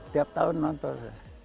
tiap tahun nonton